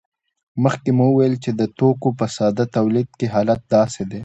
مخکې مو وویل چې د توکو په ساده تولید کې حالت داسې دی